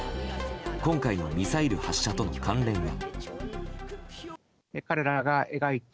今回のミサイル発射との関連は。